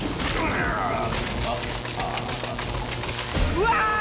うわ！